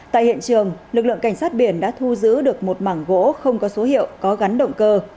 tại hiện trường lực lượng cảnh sát biển đã thu giữ được một mảng gỗ không có số hiệu có gắn động cơ